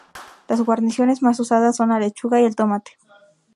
Las guarniciones más usadas son la lechuga y el tomate.